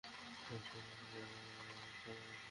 সবসময় এত ভদ্র হলে চলে না, শুটু।